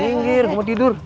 binggir mau tidur